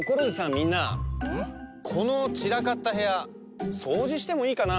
みんなこのちらかったへやそうじしてもいいかな？